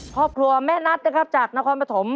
ครอบครัวแม่นัทนะครับจากนครปฐม